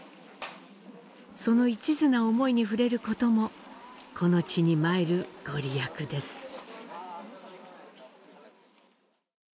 その一途な思いに触れることもこの地に参るごりやくです。